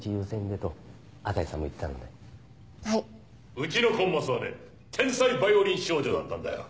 ・うちのコンマスはね天才ヴァイオリン少女だったんだよ